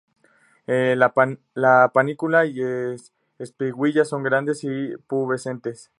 La panícula y las espiguillas son grandes y pubescentes.